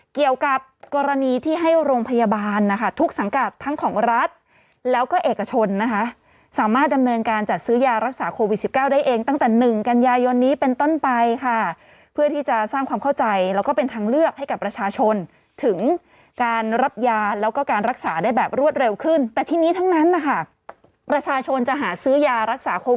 เกี่ยวกับกรณีที่ให้โรงพยาบาลนะคะทุกสังกัดทั้งของรัฐแล้วก็เอกชนนะคะสามารถดำเนินการจัดซื้อยารักษาโควิด๑๙ได้เองตั้งแต่๑กันยายนนี้เป็นต้นไปค่ะเพื่อที่จะสร้างความเข้าใจแล้วก็เป็นทางเลือกให้กับประชาชนถึงการรับยาแล้วก็การรักษาได้แบบรวดเร็วขึ้นแต่ทีนี้ทั้งนั้นนะคะประชาชนจะหาซื้อยารักษาโควิด